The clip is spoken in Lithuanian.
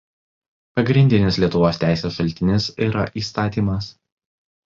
Pagrindinis Lietuvos teisės šaltinis yra įstatymas.